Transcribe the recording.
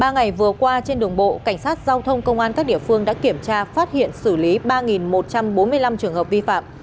ba ngày vừa qua trên đường bộ cảnh sát giao thông công an các địa phương đã kiểm tra phát hiện xử lý ba một trăm bốn mươi năm trường hợp vi phạm